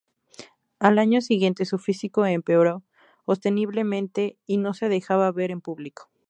Al año siguiente su físico empeoró ostensiblemente y no se dejaba ver en público.